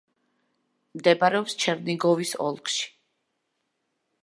მდებარეობს ჩერნიგოვის ოლქში.